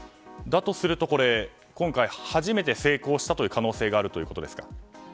だとすると、今回初めて成功したという可能性があるということですか？